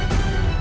aku mau ke rumah